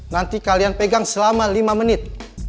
nanti kalian pegang selama lima menit